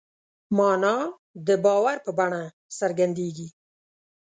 مانا د باور په بڼه څرګندېږي.